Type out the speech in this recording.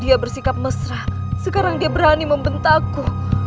dia bersikap mesra sekarang dia berani membentakku